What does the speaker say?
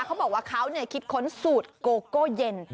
เขาบอกว่าเขาคิดค้นสูตรโกโก้เย็น